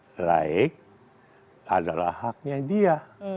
beda laik adalah haknya dia